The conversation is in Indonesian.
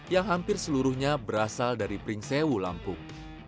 yang hampir seluruhnya berasal dari pringsewu lampung